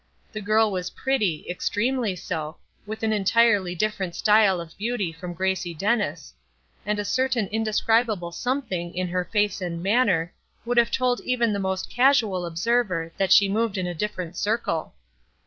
The girl was pretty, extremely so, with an entirely different style of beauty from Gracie Dennis; and a certain indescribable something in her face and manner would have told even the most casual observer that she moved in a different circle.